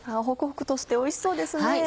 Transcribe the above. ホクホクとしておいしそうですね。